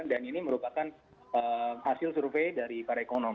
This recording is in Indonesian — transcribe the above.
dan ini merupakan hasil survei dari para ekonom